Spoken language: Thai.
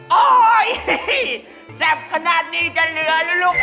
อ้ออออแซ่บขนาดนี้จะเหลือละลูก